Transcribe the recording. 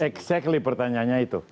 exactly pertanyaannya itu